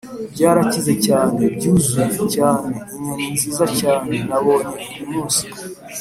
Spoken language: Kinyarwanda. "byarakize cyane, byuzuye, cyane, inyoni nziza cyane nabonye uyumunsi